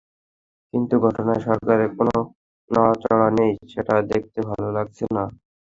কিন্তু ঘটনায় সরকারের কোনো নড়াচড়া নেই, সেটা দেখতে ভালো লাগছে না।